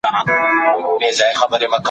خو علم پالنه هم پکار ده.